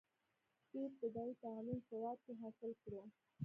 دوي ابتدائي تعليم سوات کښې حاصل کړو،